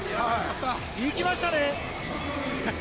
行きましたね！